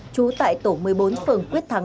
trú tại tổ một mươi bốn phường quyết thắng